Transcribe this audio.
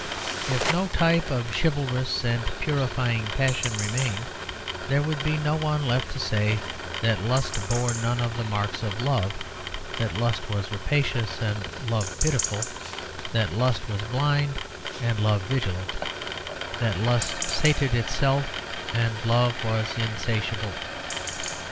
If no type of chivalrous and purifying passion remained, there would be no one left to say that lust bore none of the marks of love, that lust was rapacious and love pitiful, that lust was blind and love vigilant, that lust sated itself and love was insatiable.